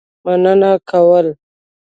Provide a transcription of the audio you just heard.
مننه کول.